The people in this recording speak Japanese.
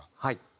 はい。